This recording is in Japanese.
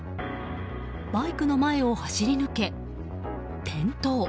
バイクの前を走り抜け、転倒。